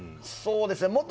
そうですね。